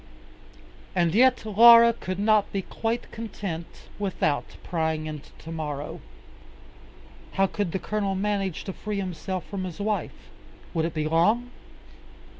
And yet Laura could not be quite content without prying into tomorrow. How could the Colonel manage to free himself from his wife? Would it be long?